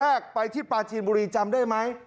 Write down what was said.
ภท่าแมคไปที่ปาจีนบุรีจำได้ไหม